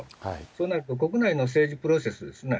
そうなると国内の政治プロセスですね、